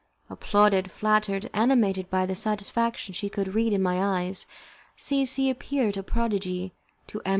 Applauded, flattered, animated by the satisfaction she could read in my eyes, C C appeared a prodigy to M.